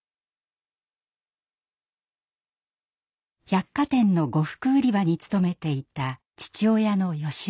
百貨店の呉服売り場に勤めていた父親の良雄さん。